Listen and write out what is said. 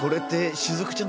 しずくちゃん！